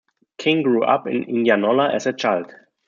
King grew up in Indianola as a child.